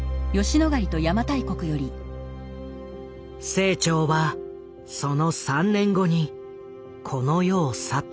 清張はその３年後にこの世を去った。